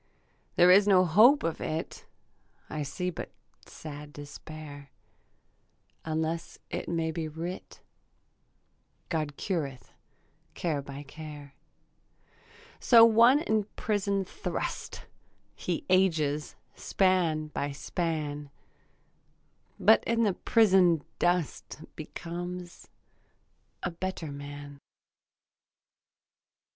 There is no hope of it; I see but sad despair, Unless it may be writ God cureth care by care. So one in prison thrust; He ages span by span, But in the prison dust Becomes a better man.